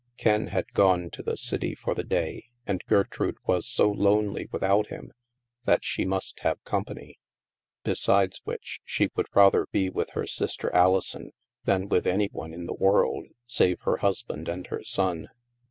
Ken had gone to the city for the day and Gertrude was so lonely without him that she must have company. Besides which, she would rather be with her sister Alison than with any one in the world, save her husband and her son.